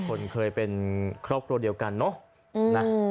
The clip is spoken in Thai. คนเคยเป็นครอบครัวเดียวกันเนอะ